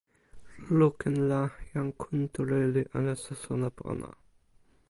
lukin la, jan Kuntuli li alasa sona pona.